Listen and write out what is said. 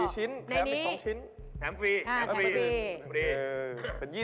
๒๔ชิ้นแถม๑๒ชิ้นก็ในนี่